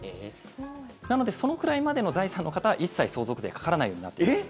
なのでそのくらいまでの財産の方は一切、相続税がかからないようになってます。